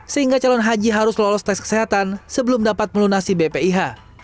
sehingga calon haji harus lolos tes kesehatan sebelum dapat melunasi bpih